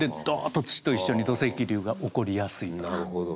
なるほど。